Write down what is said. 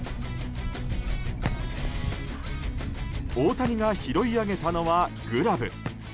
大谷が拾い上げたのはグラブ。